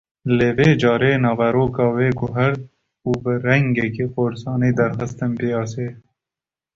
Lê vê carê naveroka wê guhert û bi rengekî korsanî derxist piyaseyê